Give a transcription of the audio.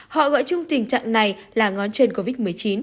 họ gọi chung tình trạng này là ngón chân covid một mươi chín